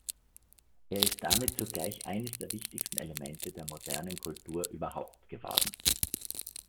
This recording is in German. Er ist damit zugleich eines der wichtigsten Elemente der modernen Kultur überhaupt geworden.